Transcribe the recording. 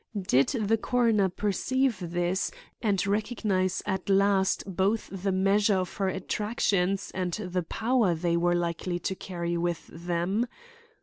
Did the coroner perceive this and recognize at last both the measure of her attractions and the power they were likely to carry with them?